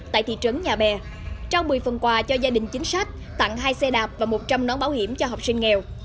tại thị trấn nhà bè trao một mươi phần quà cho gia đình chính sách tặng hai xe đạp và một trăm linh nón bảo hiểm cho học sinh nghèo